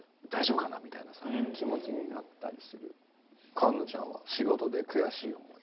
環奈ちゃんは仕事で悔しい思い。